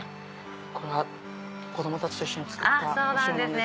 これは子供たちと一緒に作ったお塩なんですよ。